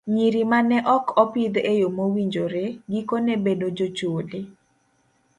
Nyiri ma ne ok opidh e yo mowinjore, gikone bedo jochode.